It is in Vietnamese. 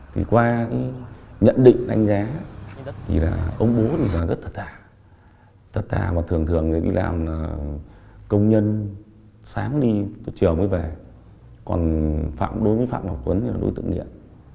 thì qua nhận định đánh giá thì là ông bố thì rất thật thà thật thà mà thường thường người đi làm công nhân sáng đi từ chiều mới về còn đối với phạm ngọc tuấn thì đối tượng nhiệm